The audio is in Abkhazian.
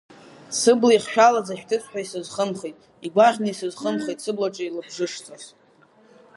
Сыбла ихшәалаз ашәҭыц са исызхымхит, игәаӷьны исызхымхит сыблаҿы лабжышҵас.